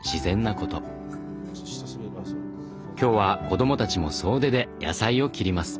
今日は子どもたちも総出で野菜を切ります。